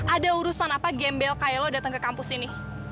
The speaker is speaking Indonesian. ada urusan apa gembel kayak lo dateng ke kampus ini